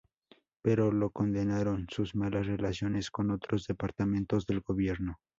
Pero lo condenaron sus malas relaciones con otros departamentos del Gobierno.